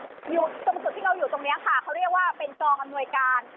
สมมุติที่เราอยู่ตรงนี้เขาเรียกว่าเป็นจองกำหนวยการ